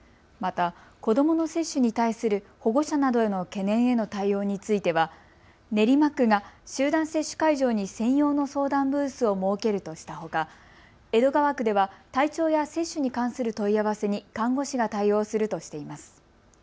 また子どもの接種に対する保護者などの懸念への対応については練馬区が集団接種会場に専用の相談ブースを設けるとしたほか江戸川区では体調や接種に関する問い合わせに看護師が対応するとしています。